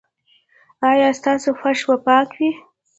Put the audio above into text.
ایا ستاسو فرش به پاک وي؟